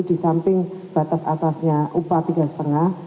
di samping batas atasnya upah rp tiga lima juta